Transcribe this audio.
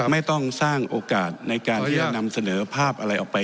ไม่ต้องสร้างโอกาสในการที่จะนำเสนอภาพอะไรออกไป